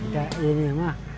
kayak ini mah